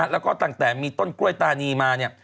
แล้วก็ตั้งแต่มีต้นกล้วยตานีมาเนี่ย